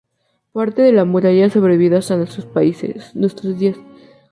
Parte de la muralla ha sobrevivido hasta nuestros días.